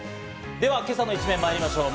では、今朝の一面まいりましょう。